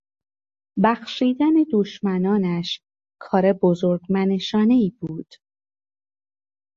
بخشیدن دشمنانش کار بزرگ منشانهای بود.